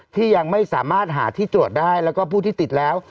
ที่ยังไม่สามารถหาที่ตรวจได้แล้วก็ผู้ที่ติดแล้ว